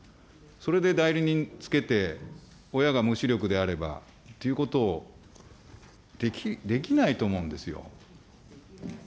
それで代理人つけて、親が無資力であればということをできないと思うんですよ。